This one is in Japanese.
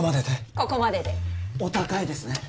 ここまででお高いですね